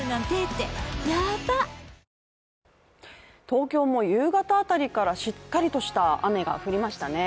東京も夕方辺りからしっかりとした雨が降りましたね。